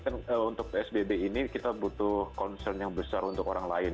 kan untuk psbb ini kita butuh concern yang besar untuk orang lain